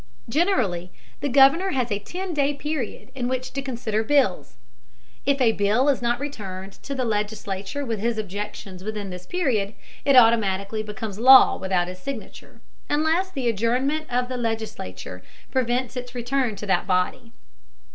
Generally the Governor has a ten day period in which to consider bills. If a bill is not returned to the legislature with his objections within this period, it automatically becomes law without his signature, unless the adjournment of the legislature prevents its return to that body.